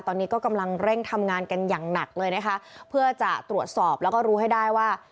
ตอนนี้ก็กำลังเร่งทำงานกันอย่างหนักเลยนะคะเพื่อจะตรวจสอบแล้วก็รู้ให้ได้ว่า